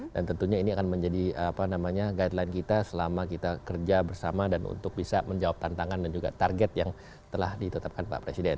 dan tentunya ini akan menjadi guideline kita selama kita kerja bersama dan untuk bisa menjawab tantangan dan juga target yang telah ditetapkan pak presiden